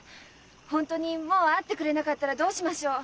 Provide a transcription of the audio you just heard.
本当にもう会ってくれなかったらどうしましょう？